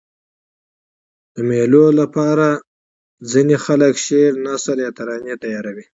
د مېلو له پاره ځيني خلک شعر، نثر یا ترانې تیاروي.